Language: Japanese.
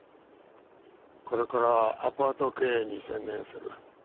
これからアパート経営に専念する。